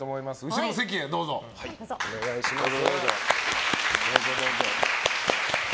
後ろの席へどうぞお願いします。